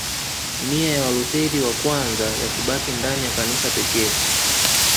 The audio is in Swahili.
Nia ya Walutheri wa kwanza ya kubaki ndani ya Kanisa pekee